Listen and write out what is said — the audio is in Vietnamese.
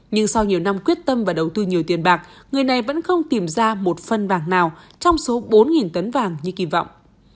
nhưng sau nhiều năm quyết tâm và đầu tư nhiều tiền bạc người này vẫn không tìm ra một phân vàng nào trong số bốn tấn vàng như kỳ vọng